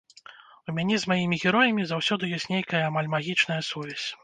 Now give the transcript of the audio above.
У мяне з маімі героямі заўсёды ёсць нейкая амаль магічная сувязь.